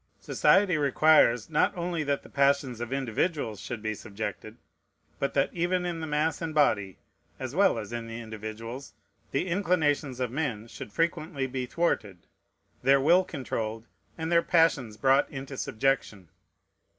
Society requires not only that the passions of individuals should be subjected, but that even in the mass and body, as well as in the individuals, the inclinations of men should frequently be thwarted, their will controlled, and their passions brought into subjection.